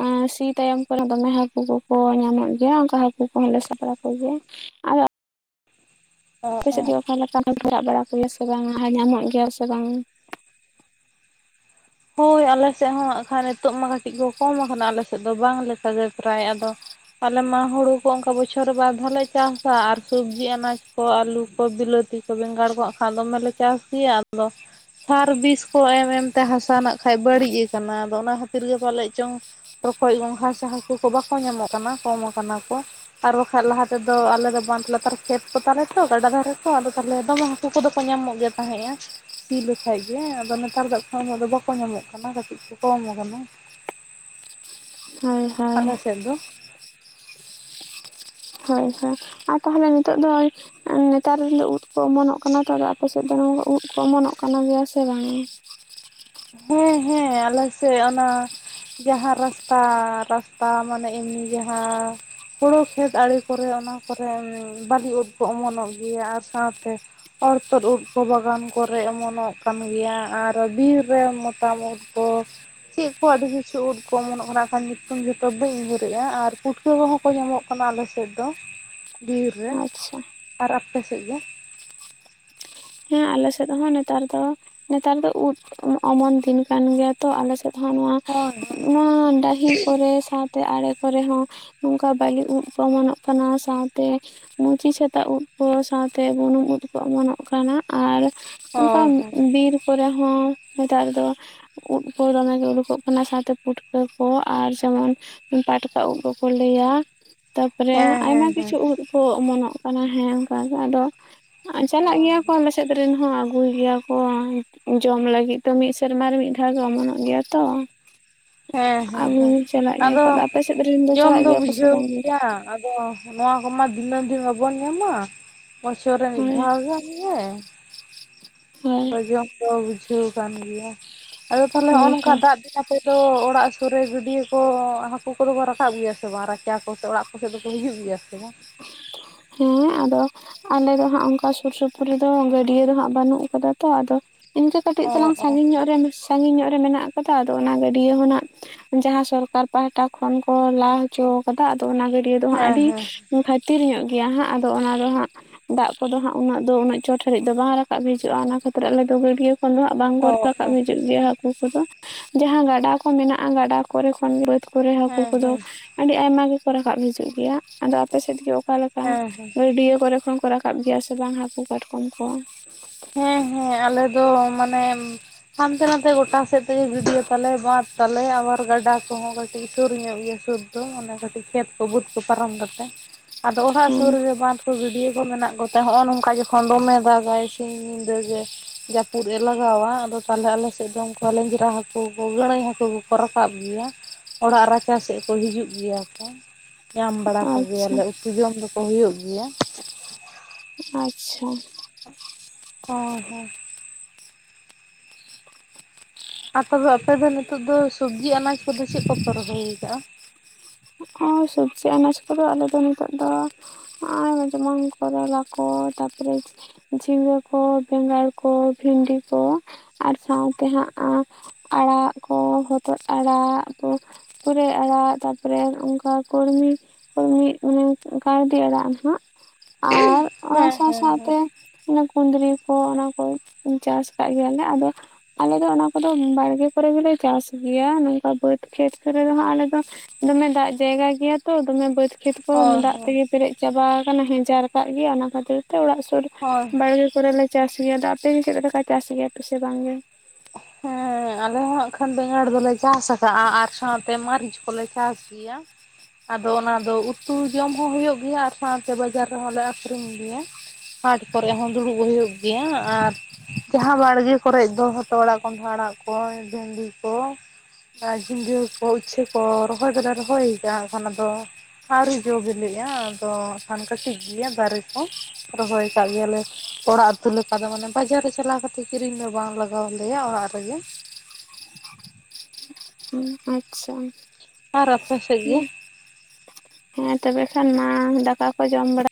[SPEAKER 1] ᱮᱸᱻ ᱥᱤ ᱛᱟᱭᱚᱢ ᱠᱚᱨᱮ ᱫᱚᱢᱮ ᱦᱟᱹᱠᱩ ᱠᱚᱠᱚ ᱧᱟᱢᱚᱜ ᱜᱮᱭᱟ ᱚᱱᱠᱟ ᱦᱟᱹᱠᱩ ᱠᱚᱦᱚᱸᱞᱮ ᱥᱟᱵ ᱵᱟᱲᱟ ᱠᱚᱜᱮᱭᱟ ᱾ ᱟ [unintelligible]
[SPEAKER 2] ᱚ
[SPEAKER 1] ᱟᱯᱮ
[SPEAKER 2] ᱚ
[SPEAKER 1] ᱥᱮᱫ ᱫᱚ ᱚᱠᱟ ᱞᱮᱠᱟ ᱥᱟᱵᱽ ᱵᱟᱲᱟ ᱠᱚᱜᱮᱭᱟ ᱥᱮ ᱵᱟᱝᱼᱟ ᱟᱨ ᱧᱟᱢᱚᱜ ᱜᱮᱭᱟ ᱠᱚ ᱥᱮ ᱵᱟᱝᱟ?
[SPEAKER 2] ᱦᱳᱭ ᱟᱞᱮ ᱥᱮᱫ ᱦᱚᱸ ᱦᱟᱸᱜ ᱠᱷᱟᱱ ᱱᱤᱛᱚᱜ ᱢᱟ ᱠᱟᱹᱴᱤᱡ ᱠᱚ ᱠᱚᱢ ᱟᱠᱟᱱᱟ ᱟᱞᱮ ᱥᱮᱫ ᱫᱚ ᱵᱟᱝ ᱞᱮᱠᱟᱜᱮ ᱯᱨᱟᱭ ᱟᱫᱚ ᱟᱞᱮ ᱢᱟ ᱦᱳᱲᱩ ᱠᱚ ᱚᱱᱠᱟ ᱵᱚᱪᱷᱚᱨ ᱵᱟᱨ ᱫᱷᱟᱣ ᱞᱮ ᱪᱟᱥᱟ ᱟᱨ ᱥᱚᱵᱽᱡᱤ ᱟᱱᱟᱡ ᱠᱚ, ᱟᱹᱞᱩ ᱠᱚ, ᱵᱤᱞᱟᱹᱛᱤ ᱵᱮᱸᱜᱟᱲ ᱠᱚ ᱦᱟᱸᱜ ᱠᱷᱟᱱ ᱫᱚᱢᱮ ᱞᱮ ᱪᱟᱥ ᱜᱮᱭᱟ, ᱟᱫᱚ ᱥᱟᱨ ᱵᱤᱥ ᱠᱚ ᱮᱢ ᱮᱢ ᱛᱮ ᱦᱟᱥ ᱦᱟᱥᱟ ᱱᱟᱜᱼ ᱠᱷᱟᱡ ᱵᱟᱹᱲᱤᱡᱽ ᱠᱟᱱᱟ, ᱟᱫᱚ ᱚᱱᱟ ᱠᱷᱟᱹᱛᱤᱨ ᱜᱮ ᱯᱟᱞᱮᱫ ᱪᱚᱝ ᱨᱚᱠᱚᱡᱽ ᱜᱚᱝᱜᱷᱟ ᱥᱮ ᱦᱟᱹᱠᱩ ᱠᱚ ᱵᱟᱠᱚ ᱧᱟᱢᱚᱜ ᱠᱟᱱᱟ ᱠᱚᱢ ᱟᱠᱟᱱᱟ ᱠᱚ ᱾ ᱟᱨ ᱵᱟᱠᱷᱟᱡ ᱞᱟᱦᱟ ᱛᱮᱫᱚ ᱟᱞᱮ ᱫᱚ ᱵᱟᱱᱫᱽ ᱞᱟᱛᱟᱨ ᱠᱷᱮᱛ ᱠᱚ ᱛᱟᱞᱮ ᱛᱚ ᱜᱟᱰᱟ ᱫᱷᱟᱨᱮ ᱠᱚ ᱟᱫᱚ ᱛᱟᱦᱚᱞᱮ ᱫᱚᱢᱮ ᱦᱟ ᱦᱟᱠᱩ ᱫᱚ ᱠᱚ ᱧᱟᱢᱚᱜ ᱜᱮ ᱛᱟᱦᱮᱸᱜᱼᱟ ᱥᱤ ᱞᱮᱠᱟᱡ ᱜᱮ ᱟᱫᱚ ᱱᱮᱛᱟᱨ ᱫᱚ ᱦᱟᱸᱜ ᱠᱷᱟᱡ ᱩᱱᱟᱹᱜ ᱫᱚ ᱵᱟ ᱠᱚ ᱧᱟᱢᱚᱜ ᱠᱟᱱᱟ ᱠᱟᱹᱴᱤᱡ ᱠᱚ ᱠᱚᱢ ᱠᱟᱱᱟ ᱾
[SPEAKER 1] ᱦᱳᱭ ᱦᱳᱭ
[SPEAKER 2] [unintelligible]
[SPEAKER 1] ᱾
[SPEAKER 2] ᱫᱚ ᱾
[SPEAKER 1] ᱦᱳᱭ ᱦᱳᱭ, ᱟᱨ ᱛᱟᱦᱚᱞᱮ ᱱᱤᱛᱚᱜ ᱫᱚ ᱱᱮᱛᱟᱨ ᱫᱤᱱ ᱫᱚ ᱩᱫ ᱠᱚ ᱚᱢᱚᱱᱚᱜ ᱠᱟᱱᱟ ᱛᱚ ᱟᱫᱚ ᱟᱯᱮ ᱥᱮᱫ ᱫᱚ ᱱᱚᱣᱟ ᱩᱫ ᱠᱚ ᱚᱢᱚᱱᱚᱜ ᱠᱟᱱᱟ ᱜᱮᱭᱟ ᱥᱮ ᱵᱟᱝ?
[SPEAKER 2] ᱦᱮᱸ ᱦᱮᱸ ᱟᱞᱮ ᱥᱮᱜ ᱚᱱᱟ ᱡᱟᱦᱟᱸ ᱨᱟᱥᱛᱟ ᱨᱟᱥᱛᱟ ᱢᱟᱱᱮ ᱮᱢᱱᱤ ᱡᱟᱦᱟᱸ ᱦᱩᱲᱳ ᱠᱷᱮᱛ ᱟᱲᱮ ᱠᱚᱨᱮ ᱚᱱᱟ ᱠᱚᱨᱮ ᱵᱟᱞᱤ ᱩᱫ ᱠᱚ ᱚᱢᱚᱱᱚᱜ ᱜᱮᱭᱟ, ᱟᱨ ᱥᱟᱶᱛᱮ ᱚᱨᱛᱩᱫ ᱩᱫ ᱠᱚ ᱵᱟᱜᱟᱱ ᱠᱚᱨᱮ ᱚᱢᱱᱚᱜ ᱠᱟᱱ ᱜᱮᱭᱟ, ᱟᱨ ᱵᱤᱨ ᱨᱮ ᱢᱚᱛᱟᱢ ᱩᱫ ᱠᱚ ᱾ ᱪᱮᱜ ᱠᱚ ᱟᱹᱰᱤ ᱠᱤᱪᱷᱩ ᱩᱫ ᱠᱚ ᱚᱢᱚᱱᱚᱜ ᱠᱟᱱᱟ ᱠᱷᱟᱱ ᱧᱩᱛᱩᱢ ᱡᱷᱛᱚ ᱵᱟᱹᱧ ᱩᱭᱦᱟᱹᱨᱮᱜ-ᱟ, ᱟᱨ ᱯᱩᱴ ᱴᱟᱹ ᱠᱚᱦᱚᱸ ᱠᱚ ᱧᱟᱢᱚᱜ ᱠᱟᱱᱟ ᱟᱞᱮᱥᱮᱫ ᱫᱚ ᱵᱤᱨ ᱨᱮ,
[SPEAKER 1] ᱟᱪᱪᱷᱟ
[SPEAKER 2] ᱟᱨ ᱟᱯᱮ ᱥᱮᱫ ᱫᱚ?
[SPEAKER 1] ᱦᱮᱸ ᱟᱞᱮ ᱥᱮᱫ ᱦᱚᱸ ᱱᱮᱛᱟᱨ ᱫᱚ, ᱱᱮᱛᱟᱨ ᱫᱚ ᱩᱫ ᱚᱢᱚᱱ ᱫᱤᱱ ᱠᱟᱱ ᱜᱮᱭᱟ ᱛᱚ ᱟᱞᱮ ᱥᱮᱫ ᱦᱚᱸ ᱱᱚᱣᱟ
[SPEAKER 2] ᱦᱳᱭ ᱦᱳᱭ
[SPEAKER 1] ᱱᱚᱣᱟ ᱰᱟᱹᱦᱤ ᱠᱚᱨᱮ ᱥᱟᱯ ᱛᱮ ᱟᱲᱮ ᱠᱚᱨᱮ ᱦᱚᱸ ᱱᱚᱝᱠᱟ ᱵᱟᱞᱤ ᱩᱫᱽ ᱠᱚ ᱚᱢᱚᱱᱚᱜ ᱠᱟᱱᱟ, ᱥᱟᱶᱛᱮ ᱢᱩᱪᱤ ᱪᱷᱟᱛᱟ ᱩᱫ ᱠᱚ ᱥᱟᱶᱛᱮ ᱵᱩᱱᱩᱢ ᱩᱫ ᱠᱚ ᱚᱢᱚᱱᱚᱜ ᱠᱟᱱᱟ, ᱟᱨ ᱚᱝᱠᱟ
[SPEAKER 2] ᱦᱳᱭ ᱦᱳᱭ
[SPEAKER 1] ᱵᱤᱨ ᱠᱚᱨᱮ ᱦᱚᱸ ᱱᱮᱛᱟᱨ ᱫᱚ ᱩᱫ ᱠᱚ ᱫᱚᱢᱮᱜᱮ ᱩᱰᱩᱠᱚᱜ ᱠᱟᱱᱟ ᱥᱟᱶᱛᱮ ᱯᱩᱴᱠᱟᱹ ᱠᱚ ᱟᱨ ᱡᱮᱢᱚᱱ ᱯᱟᱴᱠᱟ ᱩᱫ ᱠᱚᱠᱚ ᱞᱟᱹᱭᱟ ᱛᱟᱯᱚᱨᱮ
[SPEAKER 2] ᱦᱮᱸ
[SPEAKER 1] ᱟᱭᱢᱟ
[SPEAKER 2] ᱦᱮᱸ ᱦᱮᱸ
[SPEAKER 1] ᱠᱤᱪᱷᱩ ᱩᱫ ᱠᱚ ᱚᱢᱚᱱᱚᱜ ᱠᱟᱱᱟ ᱦᱮᱸ ᱚᱱᱠᱟᱮ ᱟᱰᱚ ᱪᱟᱞᱟᱜ ᱜᱮᱭᱟ
[SPEAKER 2] ᱦᱳᱭ
[SPEAKER 1] ᱠᱚ ᱟᱞᱮ ᱥᱮᱫ ᱨᱤᱱ ᱦᱚᱸ ᱟᱹᱜᱩᱭ ᱜᱮᱭᱟ ᱠᱚ ᱡᱚᱢ ᱞᱟᱹᱜᱤᱫ ᱛᱚ ᱢᱤᱫ ᱥᱮᱨᱢᱟᱨᱮ ᱢᱤᱫ ᱫᱷᱟᱣ ᱜᱮ ᱚᱢᱚᱱᱚᱜ ᱜᱮᱭᱟ ᱛᱚ᱾
[SPEAKER 2] [inaudible] ᱦᱮᱸ ᱦᱮᱸ
[SPEAKER 1] ᱟᱵᱚ
[SPEAKER 2] ᱦᱮᱸ
[SPEAKER 1] ᱪᱟᱞᱟᱜ ᱜᱮᱭᱟ ᱠᱚ
[SPEAKER 2] ᱟᱫᱚ
[SPEAKER 1] ᱟᱯᱮ ᱥᱮᱫ ᱨᱮᱱ
[SPEAKER 2] ᱡᱚᱢ
[SPEAKER 1] ᱪᱟᱞᱟᱜ
[SPEAKER 2] ᱫᱚ
[SPEAKER 1] ᱜᱮᱭᱟ ᱠᱚ ᱥᱮ
[SPEAKER 2] ᱵᱩᱡᱷᱟᱹᱣ
[SPEAKER 1] ᱵᱟᱝ ᱜᱮ
[SPEAKER 2] ᱜᱮᱭᱟ ᱟᱫᱚ ᱱᱚᱣᱟ ᱠᱚᱢᱟ ᱫᱤᱱᱟᱹᱢ ᱫᱤᱱ ᱵᱟᱵᱚᱱ ᱧᱟᱢᱟ, ᱵᱚᱪᱷᱚᱨ ᱨᱮ ᱢᱤᱫ
[SPEAKER 1] ᱦᱳᱭ
[SPEAKER 2] ᱫᱷᱟᱣ ᱜᱟᱱ ᱜᱮ,
[SPEAKER 1] ᱦᱳᱭ
[SPEAKER 2] ᱟᱫᱚ ᱡᱚᱢ ᱫᱚ ᱵᱩᱡᱷᱟᱹᱣ ᱠᱟᱱ ᱜᱮᱭᱟ ᱟᱫᱚ ᱛᱟᱞᱦᱮ ᱦᱚᱸᱜ-ᱚ
[SPEAKER 1] ᱦᱳᱭ
[SPEAKER 2] ᱱᱚᱝᱠᱟ
[SPEAKER 1] ᱦᱳᱭ
[SPEAKER 2] ᱫᱟᱜ ᱫᱟᱜ ᱫᱤᱱ ᱟᱯᱮ ᱫᱚ ᱚᱲᱟᱜ ᱥᱩᱨ ᱨᱮ ᱜᱟᱹᱰᱭᱟᱹ ᱠᱚ ᱦᱟᱹᱠᱩ ᱠᱚᱫᱚ ᱠᱚ ᱨᱟᱠᱟᱵ ᱜᱮᱭᱟ ᱥᱮ ᱵᱟᱝ ᱨᱟᱪᱟ ᱠᱚᱥᱮ ᱚᱲᱟᱜ ᱠᱚᱥᱮᱫ ᱫᱚᱠᱚ ᱦᱤᱡᱩᱜ ᱜᱮᱭᱟ ᱥᱮ ᱵᱟᱝ?
[SPEAKER 1] ᱦᱮᱸ ᱟᱫᱚ ᱟᱞᱮ ᱫᱚᱦᱟᱸᱜ ᱚᱝᱠᱟ ᱥᱩᱨ ᱥᱩᱯᱩᱨ ᱨᱮᱫᱚ ᱜᱟᱹᱰᱭᱟᱹ ᱫᱚᱦᱟᱸᱜ ᱵᱟᱹᱱᱩᱜ ᱠᱟᱫᱟ ᱛᱚ ᱟᱫᱚ ᱤᱱᱠᱟᱹ ᱠᱟᱹᱴᱤᱡ
[SPEAKER 2] ᱚ
[SPEAKER 1] ᱛᱟᱞᱟᱝ
[SPEAKER 2] ᱚ
[SPEAKER 1] ᱥᱟᱺᱜᱤᱧ ᱧᱚᱜ ᱨᱮ ᱥᱟᱺᱜᱤᱧ ᱧᱚᱜ ᱨᱮ ᱢᱮᱱᱟᱜ ᱠᱟᱫᱟ ᱟᱫᱚ ᱚᱱᱟ ᱜᱟᱹᱰᱭᱟᱹ ᱦᱚᱸ ᱱᱟᱜ ᱡᱟᱦᱟᱸ ᱥᱚᱨᱠᱟᱨ ᱯᱟᱦᱴᱟ ᱠᱷᱚᱱ ᱠᱚ ᱞᱟ ᱦᱚᱪᱚᱣ ᱟᱠᱟᱫᱟ ᱟᱫᱚ ᱚᱱᱟ ᱜᱟᱹᱰᱭᱟᱹ ᱫᱚ ᱦᱟᱸᱜ
[SPEAKER 2] ᱦᱮᱸ
[SPEAKER 1] ᱟᱹᱰᱤ
[SPEAKER 2] ᱦᱮᱸ
[SPEAKER 1] ᱠᱷᱟᱹᱛᱤᱨ ᱧᱚᱜ ᱜᱮᱭᱟ ᱦᱟᱸᱜ ᱟᱫᱚ ᱚᱱᱟ ᱫᱚ ᱦᱟᱸᱜ ᱫᱟᱜ ᱠᱚᱫᱚ ᱦᱟᱸᱜ ᱩᱱᱟᱹᱜ ᱫᱚ ᱩᱱᱟᱹᱜ ᱪᱚᱴ ᱦᱟᱹᱨᱤᱡ ᱫᱚ ᱵᱟᱝ ᱨᱟᱠᱟᱵ ᱦᱤᱡᱩᱜ-ᱟ ᱚᱱᱟ ᱠᱷᱟᱹᱛᱤᱨ ᱟᱞᱮ ᱫᱚ ᱜᱟᱹᱰᱭᱟᱹ ᱠᱳᱱᱳ ᱦᱟᱸᱜ ᱵᱟᱝ ᱠᱚ
[SPEAKER 2] ᱚ
[SPEAKER 1] ᱨᱟᱠᱟᱵ
[SPEAKER 2] ᱚ
[SPEAKER 1] ᱦᱤᱡᱩᱜ ᱜᱮᱭᱟ ᱦᱟ ᱠᱩ ᱠᱚᱫᱚ ᱡᱟᱦᱟᱸ ᱜᱟᱰᱟ ᱠᱚ ᱢᱮᱱᱟᱜ-ᱟ ᱜᱟᱰᱟ ᱠᱚᱨᱮ ᱠᱷᱚᱱ ᱵᱟᱹᱫᱽ ᱠᱚᱨᱮ ᱦᱟᱹᱠᱩ
[SPEAKER 2] ᱦᱮᱸ
[SPEAKER 1] ᱠᱚᱫᱚ
[SPEAKER 2] ᱦᱮᱸ
[SPEAKER 1] ᱟᱰᱤ ᱟᱭᱢᱟ ᱜᱮᱠᱚ ᱨᱟᱠᱟᱵ ᱦᱤᱡᱩᱜ ᱜᱮᱭᱟ ᱟᱫᱚ ᱟᱯᱮ ᱥᱮᱫ ᱜᱮ ᱚᱠᱟ ᱞᱮᱠᱟ?
[SPEAKER 2] ᱦᱮᱸ ᱦᱮᱸ
[SPEAKER 1] ᱜᱟᱹᱰᱭᱟᱹ ᱠᱚᱨᱮ ᱠᱷᱚᱱ ᱠᱚ ᱨᱟᱠ ᱠᱟᱵ ᱜᱮᱭᱟ ᱥᱮ ᱵᱟᱝ ᱦᱟᱹᱠᱩ ᱠᱟᱴᱠᱚᱢ ᱠᱚ?
[SPEAKER 2] ᱦᱮᱸ ᱦᱮᱸ ᱟᱞᱮ ᱫᱚ ᱢᱟᱱᱮ ᱦᱟᱱᱛᱮ ᱱᱟᱛᱮ ᱜᱚᱴᱟ ᱥᱮᱫ ᱛᱮᱜᱮ ᱜᱤᱰᱭᱟᱹ ᱛᱟᱞᱮ ᱵᱟᱸᱫ ᱛᱟᱞᱮ ᱟᱵᱟᱨ ᱜᱟᱰᱟ ᱠᱚᱦᱚᱸ ᱠᱟᱹᱴᱤᱡ ᱥᱩᱨ ᱧᱚᱜ ᱜᱮᱭᱟ ᱥᱩᱨ ᱫᱚ ᱢᱟᱱᱮ ᱠᱟᱹᱴᱤᱡ ᱠᱷᱮᱛ ᱠᱚ ᱵᱟᱹᱫᱽ ᱯᱟᱨᱚᱢ ᱠᱟᱛᱮᱜ᱾ ᱟᱫᱚ ᱚᱲᱟᱜ
[SPEAKER 1] ᱦᱮᱸ
[SPEAKER 2] ᱥᱩᱨ ᱨᱮᱜᱮ ᱵᱟᱸᱫᱽ ᱠᱚ ᱜᱤᱰᱭᱟᱹ ᱠᱚ ᱢᱮᱱᱟᱜ ᱠᱚᱛᱟ ᱦᱚᱜ-ᱚ ᱱᱚᱝᱠᱟ ᱡᱚᱠᱷᱚᱱ ᱫᱚᱢᱮ ᱫᱟᱜᱟᱭ ᱥᱤᱧ ᱧᱤᱫᱟᱹ ᱜᱮ ᱡᱟᱹᱯᱩᱫ ᱮ ᱞᱟᱜᱟᱣᱟ ᱟᱫᱚ ᱛᱟᱦᱞᱮ ᱟᱞᱮ ᱥᱮᱫ ᱫᱚ ᱚᱝᱠᱟ ᱞᱮᱧᱡᱨᱟ ᱦᱟᱹᱠᱩ ᱠᱚ ᱜᱟᱹᱲᱟᱹᱭ ᱦᱟᱹᱠᱩ ᱠᱚᱠᱚ ᱨᱟᱠᱟᱵ ᱜᱮᱭᱟ᱾ ᱚᱲᱟᱜ ᱨᱟᱪᱟ ᱥᱮᱜ ᱠᱚ ᱦᱤᱡᱩᱜ ᱜᱮᱭᱟ ᱠᱚ᱾ ᱧᱟᱢ ᱵᱟᱲᱟ
[SPEAKER 1] ᱟᱪᱪᱷᱟ
[SPEAKER 2] ᱠᱚᱜᱮᱭᱟᱞᱮ ᱩᱛᱩ ᱡᱚᱢ ᱫᱚᱠᱚ ᱦᱩᱭᱩᱜ ᱜᱮᱭᱟ᱾
[SPEAKER 1] ᱟᱪᱪᱷᱟ᱾
[SPEAKER 2] ᱚ ᱦᱮᱸ, ᱟᱯᱮ ᱫᱚ ᱟᱯᱮ ᱫᱚ ᱱᱤᱛᱚᱜ ᱫᱚ ᱥᱚᱵᱽᱡᱤ ᱟᱱᱟᱡᱽ ᱠᱚᱫᱚ ᱪᱮᱜ ᱠᱚᱯᱮ ᱨᱚᱦᱚᱭ ᱠᱟᱜ-ᱟ?
[SPEAKER 1] ᱥᱚᱵᱽᱡᱤ ᱟᱱᱟᱡ ᱠᱚᱫᱚ ᱟᱞᱮ ᱫᱚ ᱱᱤᱛᱚᱜ ᱫᱚ ᱟᱨ ᱡᱮᱢᱚᱱ ᱠᱚᱨᱚᱞᱟ ᱠᱚ ᱛᱟᱯᱚᱨᱮ ᱡᱷᱤᱸᱜᱟᱹ ᱠᱚ, ᱵᱮᱸᱜᱟᱲ ᱠᱚ, ᱵᱷᱤᱱᱰᱤ ᱠᱚ, ᱟᱨ ᱥᱟᱶᱛᱮ ᱦᱟᱸᱜ ᱟᱲᱟᱜ ᱠᱚ᱾ ᱦᱚᱛᱚᱫ ᱟᱲᱟᱜ ᱯᱩᱨᱟᱹᱭ ᱟᱲᱟᱜ ᱛᱟᱯᱚᱨᱮ ᱚᱱᱠᱟ ᱠᱚᱨᱢᱤ ᱠᱚᱨᱢᱤ ᱢᱟᱱᱮ ᱠᱟᱣᱫᱤ ᱟᱲᱟᱜ ᱱᱟᱦᱟᱜ, ᱟᱨ ᱚᱱᱟ
[SPEAKER 2] ᱦᱮᱸ
[SPEAKER 1] ᱥᱟᱶ
[SPEAKER 2] ᱦᱮᱸ ᱦᱮᱸ
[SPEAKER 1] ᱥᱟᱶᱛᱮ ᱚᱱᱟ ᱠᱩᱫᱽᱨᱤ ᱠᱚ ᱚᱱᱟᱠᱚ ᱪᱟᱥ ᱟᱠᱟᱫ ᱜᱮᱭᱟᱞᱮ ᱟᱫᱚ ᱟᱞᱮᱫᱚ ᱚᱱᱟ ᱠᱚᱫᱚ ᱵᱟᱲᱜᱮ ᱠᱚᱨᱮ ᱜᱮᱞᱮ ᱪᱟᱥ ᱜᱮᱭᱟ, ᱱᱚᱝᱠᱟ ᱵᱟᱹᱫᱽ ᱠᱷᱮᱛ ᱠᱚᱨᱮ ᱫᱚ ᱟᱞᱮᱫᱚ ᱫᱚᱢᱮ ᱫᱟᱜ ᱡᱟᱭᱜᱟ ᱜᱮᱭᱟ ᱛᱚ᱾ ᱫᱚᱢᱮ ᱵᱟᱹᱫᱽ ᱠᱷᱮᱛ ᱠᱚ
[SPEAKER 2] ᱦᱳᱭ
[SPEAKER 1] ᱫᱟᱜ
[SPEAKER 2] ᱦᱳᱭ
[SPEAKER 1] ᱛᱮᱜᱮ ᱯᱮᱨᱮᱡ ᱪᱟᱵᱟ ᱟᱠᱟᱱᱟ᱾ ᱦᱮᱸ ᱪᱟᱨᱠᱟᱜ ᱜᱮᱭᱟ ᱚᱱᱟ ᱠᱷᱟᱹᱛᱤᱨ ᱛᱮ ᱚᱲᱟᱜ ᱥᱩᱨ
[SPEAKER 2] ᱦᱳᱭ
[SPEAKER 1] ᱵᱟᱲᱜᱮ ᱯᱩᱨᱟᱹ ᱞᱮ ᱪᱟᱥ ᱜᱮᱭᱟ, ᱟᱫᱚ ᱟᱯᱮ ᱜᱮ ᱪᱮᱫ ᱞᱮᱠᱟ ᱪᱟᱥ ᱜᱮᱭᱟ ᱯᱮᱥᱮ ᱵᱟᱝᱜᱮ?
[SPEAKER 2] ᱦᱮᱸ᱾ ᱦᱮᱸ ᱟᱞᱮ ᱦᱚᱸ ᱦᱟᱸᱜ ᱠᱷᱟᱱ ᱵᱮᱸᱜᱟᱲ ᱫᱚᱞᱮ ᱪᱟᱥ ᱟᱠᱟᱜᱼᱟ ᱟᱨ ᱥᱟᱶᱛᱮ ᱢᱟᱹᱨᱤᱪ ᱠᱚᱞᱮ ᱪᱟᱥ ᱜᱮᱭᱟ᱾ ᱟᱫᱚ ᱚᱱᱟᱫᱚ ᱩᱛᱩ ᱡᱚᱢ ᱦᱚᱸ ᱦᱩᱭᱩᱜ ᱜᱮᱭᱟ ᱟᱨ ᱥᱟᱶᱛᱮ ᱵᱟᱡᱟᱨ ᱨᱮᱦᱚᱸᱞᱮ ᱟᱠᱷᱨᱤᱧ ᱜᱮᱭᱟ᱾ ᱦᱟᱴ ᱠᱚᱨᱮᱜ ᱦᱚᱸ ᱫᱩᱲᱩᱵ ᱦᱩᱭᱩᱜ ᱜᱮᱭᱟ ᱟᱨ ᱡᱟᱦᱟᱸ ᱵᱟᱲᱜᱮ ᱠᱚᱨᱮ ᱫᱚ ᱦᱚᱛ ᱛᱚᱲᱟᱜ ᱠᱚᱰᱷᱟ ᱟᱲᱟᱜ ᱠᱚ, ᱵᱷᱮᱱᱰᱤ ᱠᱚ᱾ ᱠᱟ ᱡᱷᱤᱸᱜᱟᱹ ᱠᱚ, ᱩᱪᱷᱟᱹ ᱠᱚ, ᱨᱚᱦᱚᱭ ᱫᱚᱞᱮ ᱨᱚᱦᱚᱭ ᱟᱠᱟ-ᱟ ᱦᱟᱸᱜ ᱠᱷᱟᱱ ᱟᱫᱚ ᱟᱹᱮᱨᱤ ᱡᱚ ᱵᱤᱞᱤᱜᱼᱟ ᱟᱫᱚ ᱦᱟᱜᱠᱷᱟᱱ ᱠᱟᱹᱴᱤᱡ ᱜᱮᱭᱟ ᱫᱟᱨᱮ ᱠᱚ᱾ ᱨᱚᱦᱚᱭ ᱟᱠᱟᱟᱜ ᱜᱮᱭᱟᱞᱮ ᱚᱲᱟᱜ ᱩᱛᱩ ᱞᱮᱠᱟ ᱫᱚ ᱢᱟᱱᱮ ᱵᱟᱡᱟᱨ ᱨᱮ ᱪᱟᱞᱟᱣ ᱠᱟᱛᱮ ᱠᱤᱨᱤᱧ ᱫᱚ ᱵᱟᱝ ᱞᱟᱜ ᱫᱚᱦᱚᱞᱮᱭᱟ ᱚᱲᱟᱜ ᱨᱮᱜᱮ᱾
[SPEAKER 1] ᱦᱩᱸ ᱟᱪᱪᱷᱟ᱾
[SPEAKER 2] ᱟᱨ ᱟᱯᱮ ᱥᱮᱫ ᱜᱮ?
[SPEAKER 1] ᱦᱮᱸ ᱛᱚᱵᱮ ᱠᱷᱟᱱ ᱢᱟ ᱫᱟᱠᱟ ᱠᱚ ᱡᱚᱢ ᱵᱟᱲᱟ